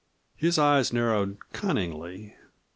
His eyes narrowed cunningly.